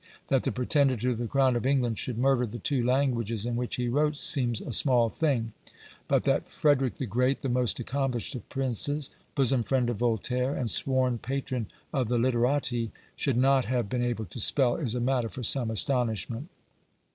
That the pretender to the crown of England should murder the two languages in which he wrote seems a small thing; but that Frederick the Great, the most accomplished of princes, bosom friend of Voltaire, and sworn patron of the literati, should not have been able to spell, is a matter for some astonishment.